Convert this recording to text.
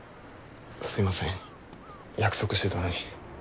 すいません約束してたのに。